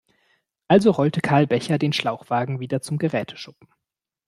Also rollte Karl Becher den Schlauchwagen wieder zum Geräteschuppen.